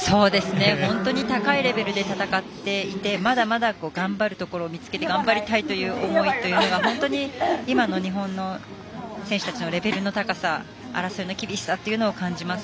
本当に高いレベルで戦っていてまだまだ頑張るところを見つけて頑張りたいという思いというのが本当に今の日本の選手たちのレベルの高さ争いの厳しさを感じます。